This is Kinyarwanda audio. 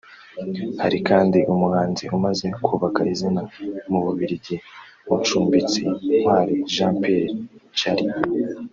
hari kandi umuhanzi umaze kubaka izina mu Bubiligi Mucumbitsi Ntwari Jean Pierre [Jali]